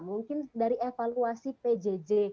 mungkin dari evaluasi pjj